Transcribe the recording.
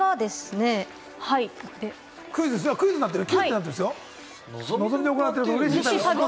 Ｑ、クイズになってるよ。